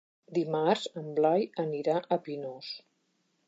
Dimarts en Blai anirà a Pinós.